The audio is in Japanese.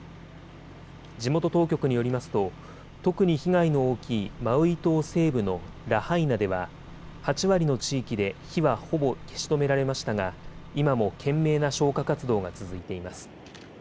地元当局によりますと、特に被害の大きいマウイ島西部のラハイナでは、８割の地域で火はほぼ消し止められましたが、今も懸命な消火活動が続いています。